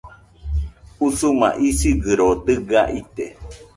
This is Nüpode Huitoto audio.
Usuma isigɨro dɨga ite